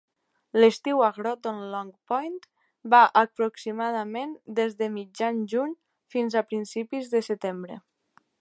L'estiu a Groton Long Point va aproximadament des de mitjan juny fins a principis de setembre.